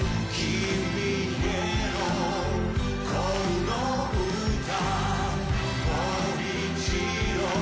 「君へのこの歌」